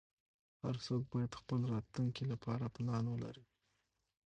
هر څوک باید خپل راتلونکې لپاره پلان ولری